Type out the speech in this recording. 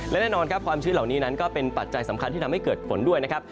และแน่นอนครับความชื้นเหล่านี้นั้นก็เป็นปัจจัยสำคัญที่ทำให้เกิดฝนด้วยนะครับ